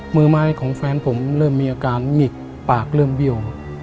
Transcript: มือไม้ของแฟนผมเริ่มมีอาการหงิกปากเริ่มเบี้ยว